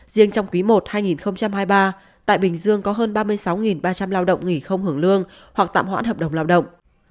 riêng trong quý i hai nghìn hai mươi ba tại bình dương có hơn ba mươi sáu ba trăm linh lao động nghỉ không hưởng lương hoặc tạm hoãn hợp đồng lao động